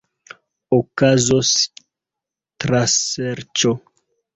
Okazos traserĉo.